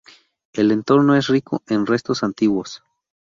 El entorno es rico en restos antiguos.